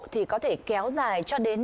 thì có thể kéo dài cho đến